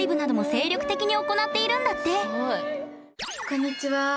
こんにちは。